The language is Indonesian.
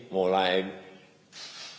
mulai kita mengembangkan